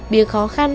bia khó khăn